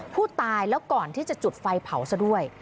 ผู้ตายแล้วก่อนที่จะจุดไฟเผาซะด้วย